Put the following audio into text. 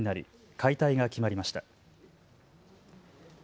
解体が決まりました。